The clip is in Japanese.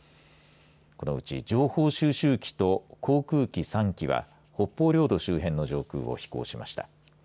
このうち情報収集機と航空機３機は北方領土周辺の上空を飛行しました。